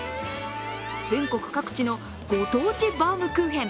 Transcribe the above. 全国各地のご当地バウムクーヘン